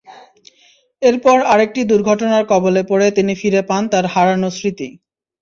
এরপর আরেকটি দুর্ঘটনার কবলে পড়ে তিনি ফিরে পান তাঁর হারানো স্মৃতি।